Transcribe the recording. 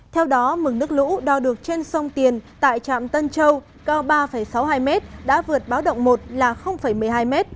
theo đó mực nước lũ đo được trên sông tiền tại trạm tân châu cao ba sáu mươi hai m đã vượt báo động một là một mươi hai m